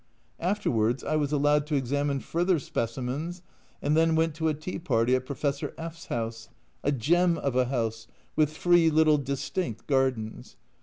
Afterwards I was allowed to examine further specimens, and then went to a tea party at Professor F 's house a gem of a house, with three little distinct gardens.